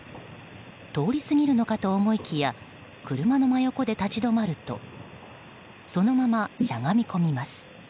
通り過ぎるのかと思いきや車の真横で立ち止まるとそのまましゃがみ込みます。